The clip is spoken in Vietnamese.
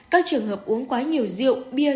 các trường hợp uống quá nhiều rượu bia